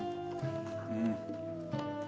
うん。